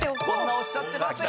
おっしゃってますが。